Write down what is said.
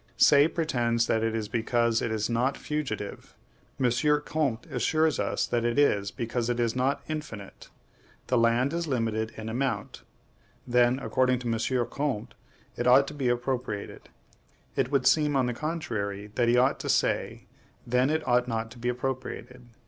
Say pretends that it is because it is not FUGITIVE; M. Ch. Comte assures us that it is because it is not INFINITE. The land is limited in amount. Then, according to M. Ch. Comte, it ought to be appropriated. It would seem, on the contrary, that he ought to say, Then it ought not to be appropriated.